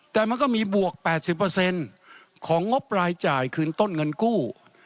แต่มันก็มีบวก๘๐ของงบรายจ่ายคืนต้นเงินกู้